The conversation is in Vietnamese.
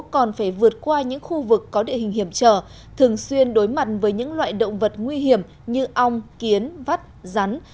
còn phải vượt qua những khu vực có địa hình hiểm trở thường xuyên đối mặt với những loại động vật nguy hiểm như ong kiến vắt rắn